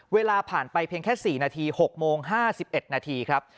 เวลาผ่านไปเพียงแค่๔นาที๖โมง๕๑นาทีครับ